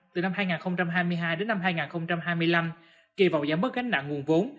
từ năm hai nghìn hai mươi hai đến năm hai nghìn hai mươi năm kỳ vọng giảm bớt gánh nặng nguồn vốn